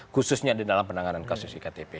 khususnya di dalam penanganan kasus iktp